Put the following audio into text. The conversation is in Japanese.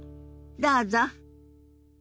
どうぞ。